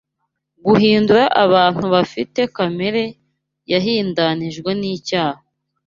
guhindura abantu bafite kamere yahindanijwe n’cyaha